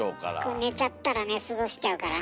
これ寝ちゃったら寝過ごしちゃうからね。